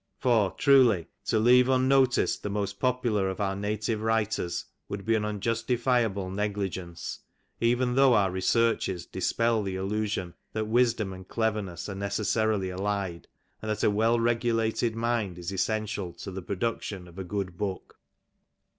For, truly, to leave unnoticed the most popular of our native writers would be an unjustifiable negligence, even though our researches dispel the illusion that wisdom and cleverness are neces sarily allied, and that a well regulated mind is essential to the production of a good book.